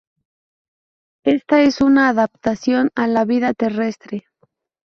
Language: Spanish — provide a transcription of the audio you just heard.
Esta es una adaptación a la vida terrestre.